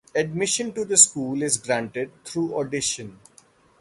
Admission to the school is granted through audition.